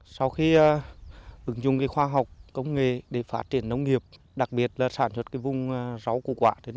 sau khi ứng dụng khoa học công nghệ để phát triển nông nghiệp đặc biệt là sản xuất vùng rau củ quả